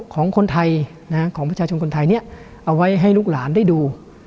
ของคนไทยของประชาชนคนไทยเนี่ยเอาไว้ให้ลูกหลานได้ดู